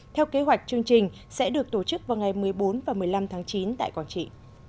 theo kế hoạch chương trình sẽ được tổ chức vào ngày một mươi bốn và một mươi năm tháng chín tại quảng trị